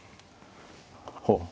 ほう。